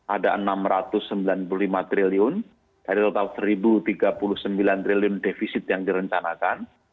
ada enam ratus sembilan puluh lima triliun dari total rp satu tiga puluh sembilan triliun defisit yang direncanakan